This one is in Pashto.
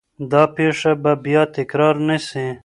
دا پیښه به بیا تکرار نه سي.